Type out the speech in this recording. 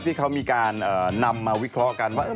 ที่เขามีการนำมาวิเคราะห์กันว่า